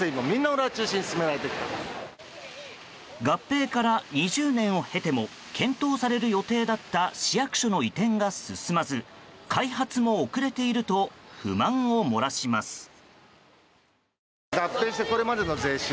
合併から２０年を経ても検討される予定だった市役所の移転が進まず開発も遅れていると不満を漏らします。